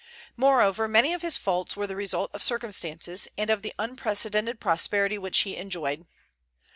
Moreover, many of his faults were the result of circumstances, and of the unprecedented prosperity which he enjoyed.